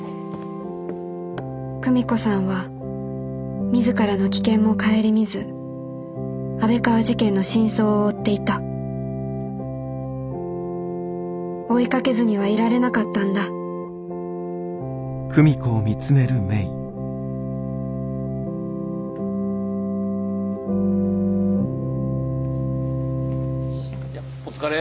久美子さんは自らの危険も顧みず安倍川事件の真相を追っていた追いかけずにはいられなかったんだお疲れ。